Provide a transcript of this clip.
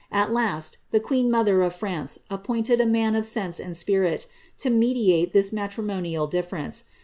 At last, the queen mother of France appointed a man of sense and spirit to mediate this matrimonial difference.